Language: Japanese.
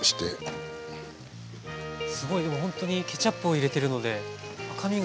すごいでもほんとにケチャップを入れてるので赤みが。